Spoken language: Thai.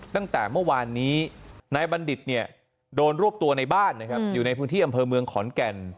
ตั้งแต่เมื่อวานนี้นายบัณฑิตเนี่ยโดนรวบตัวในบ้านนะครับอยู่ในพื้นที่อำเภอเมืองขอนแก่น